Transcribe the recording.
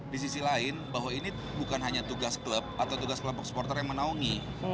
di sisi lain bahwa ini bukan hanya tugas klub atau tugas kelompok supporter yang menaungi